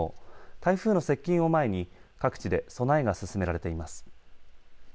台風の接近を前に各地で備えが進められています。